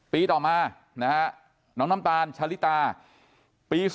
ปีต่อมาน้องน้ำตาลชะลิตาปี๒๐๑๖